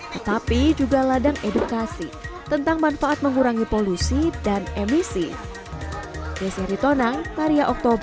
tetapi juga ladang edukasi tentang manfaat mengurangi polusi dan emisi